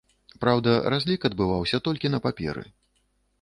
Праўда, разлік адбываўся толькі на паперы.